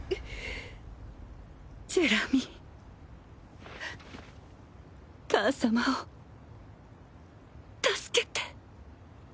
ジェラミー母様を助けて！